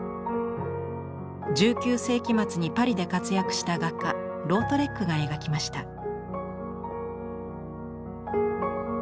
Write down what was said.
１９世紀末にパリで活躍した画家ロートレックが描きました。